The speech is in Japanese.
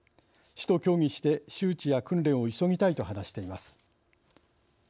市と協議して周知や訓練を急ぎたい」と話しています。